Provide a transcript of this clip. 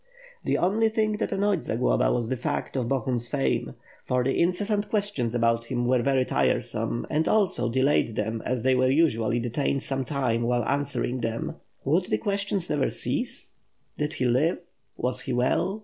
The only thing that annoyed Zagloba was the fact of Bohun's fame; for the incessant questions about him were very tiresome and also delayed them, as they were usually de tained some time while answering them. Would the ques tions never cease? *Did he live? was he well?'